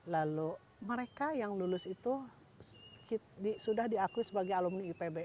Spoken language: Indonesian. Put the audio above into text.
lalu mereka yang lulus itu sudah diakui sebagai alumni ipb